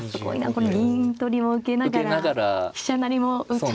この銀取りも受けながら飛車成りもちゃんと。